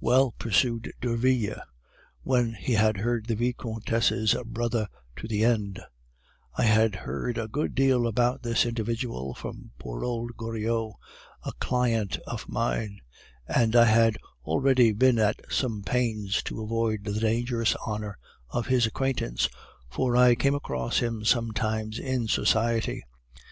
"Well," pursued Derville, when he had heard the Vicomtesse's brother to the end, "I had heard a good deal about this individual from poor old Goriot, a client of mine; and I had already been at some pains to avoid the dangerous honor of his acquaintance, for I came across him sometimes in society.